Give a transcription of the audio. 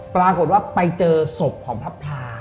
ปรากฏว่าไปเจอศพของพระพลา